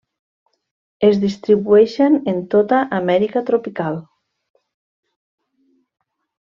Es distribueixen en tota l'Amèrica tropical.